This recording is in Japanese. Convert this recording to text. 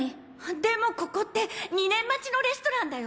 でもここって２年待ちのレストランだよ？